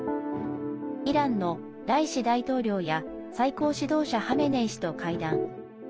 イランのライシ大統領や最高指導者ハメネイ師と会談。